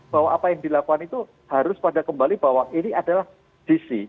bahwa apa yang dilakukan itu harus pada kembali bahwa ini adalah dc